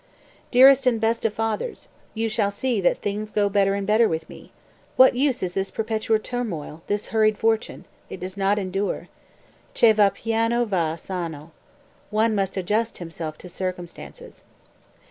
204. "Dearest and best of fathers: You shall see that things go better and better with me. What use is this perpetual turmoil, this hurried fortune? It does not endure. Che va piano va, sano. One must adjust himself to circumstances."